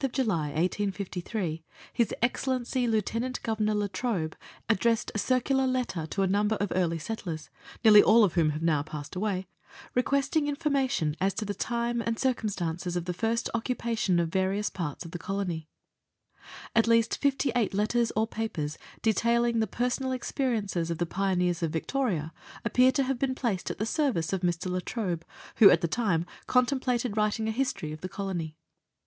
ON the 29th July 1853 His Excellency Lieutenant Governor La Trobe addressed a circular letter to a number of early settlers, nearly all of whom have now passed away, request ing information as to the time and circumstances of the first occupation of various parts of the colony. At least 58 letters or papers, detailing the personal experiences of the pioneers of Victoria, appear to have been placed at the service of Mr. La Trobe, who at the time con templated writing a history of the Colony.